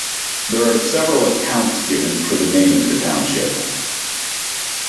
There are several accounts given for the name of the township.